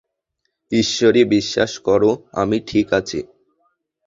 ঈশ্বরী, বিশ্বাস করো আমি ঠিক আছি।